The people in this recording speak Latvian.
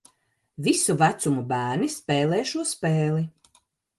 Visu vecumu bērni spēlē šo spēli